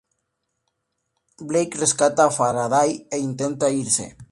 Blake rescata a Faraday e intenta irse.